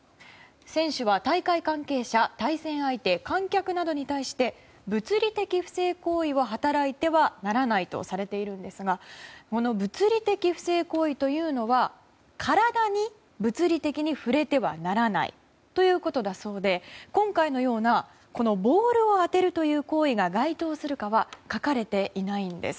選手は大会関係者、対戦相手観客などに対して物理的不正行為を働いてはならないとされているんですがこの物理的不正行為というのは体に物理的に触れてはならないということだそうで今回のようなボールを当てるという行為が該当するかは書かれていないんです。